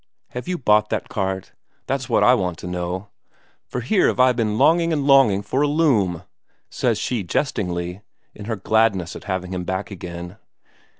Have you bought that cart, that's what I want to know? For here have I been longing and longing for a loom," says she jestingly, in her gladness at having him back again.